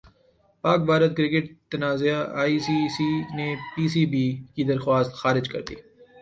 پاک بھارت کرکٹ تنازع I C سی نے پی سی بی کی درخواست خارج کردی